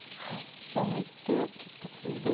で抜いて切ってツイで。